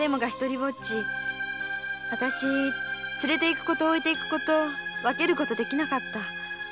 連れていく子と置いていく子と分けることができなかった。